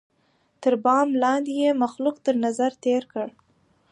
تر بام لاندي یې مخلوق تر نظر تېر کړ